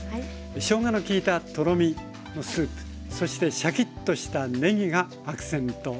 しょうがのきいたとろみのスープそしてシャキッとしたねぎがアクセントです。